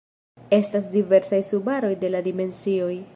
Estas diversaj subaroj de la dimensioj.